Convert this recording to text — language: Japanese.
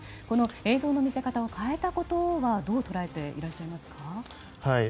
この映像の見せ方を変えたことはどう捉えていらっしゃいますか。